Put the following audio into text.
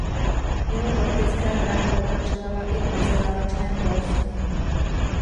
Jeho politická dráha pokračovala i v meziválečném Polsku.